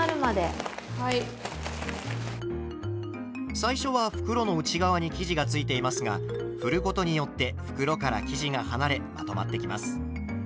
最初は袋の内側に生地がついていますがふることによって袋から生地が離れまとまってきます。